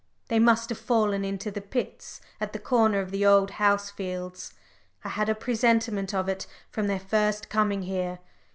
"They must have fallen into the pits at the corner of the Old House fields. I had a presentiment of it from their first coming here.